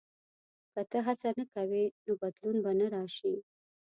• که ته هڅه نه کوې، نو بدلون به نه راشي.